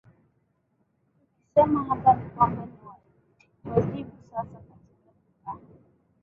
tukisema hapa ni kwamba ni wajibu sasa katika ka